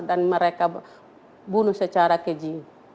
dan mereka bunuh secara keji